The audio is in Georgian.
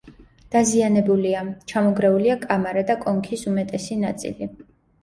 დაზიანებულია: ჩამონგრეულია კამარა და კონქის უმეტესი ნაწილი.